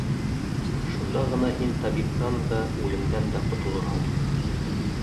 Шунда ғына һин табиптан да, үлемдән дә ҡотолорһоң.